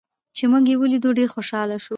چې موږ یې ولیدو، ډېر خوشحاله شو.